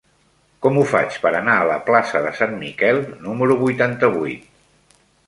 Com ho faig per anar a la plaça de Sant Miquel número vuitanta-vuit?